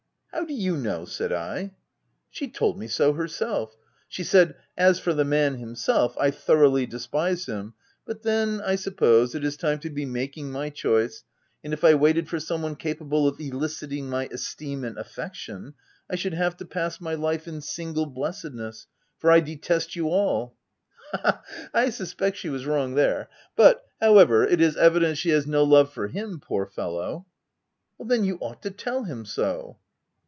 "" How do you know V said I. OF W1LDFELL HALL. 57 "She told me so herself; she said, < as for the man himself, I thoroughly despise him ; but then, I suppose, it is time to be making my choice, and if I waited for some one capable of eliciting my esteem and affection, I should have to pass my life in single blessedness, for I detest you all V Ha, ha ! I suspect she was wrong there ;— but however, it is evident she has no love for him, poor fellow/ 5 " Then you ought to tell him so."